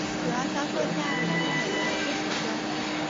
主要销售价廉物美的休闲装。